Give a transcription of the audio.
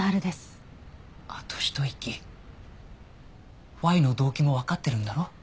あとひと息ＷＨＹの動機もわかってるんだろう？